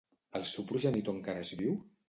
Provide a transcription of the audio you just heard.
El seu progenitor encara és viu?